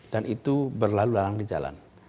dan itu berlalu lalu di jalan